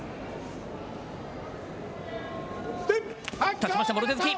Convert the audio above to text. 立ちました、もろ手突き。